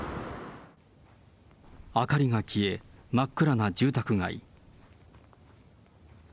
明かりが消え、真っ暗な住宅街。